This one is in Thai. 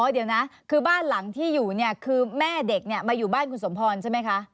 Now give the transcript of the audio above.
เดี๋ยวนะคือบ้านหลังที่อยู่เนี่ยคือแม่เด็กเนี่ยมาอยู่บ้านคุณสมพรใช่ไหมคะ